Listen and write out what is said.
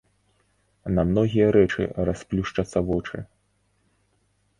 На многія рэчы расплюшчацца вочы.